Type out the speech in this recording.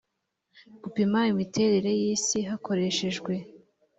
gupima imiterere y isi hakoreshejwe